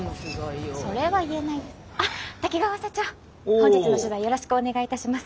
本日の取材よろしくお願いいたします。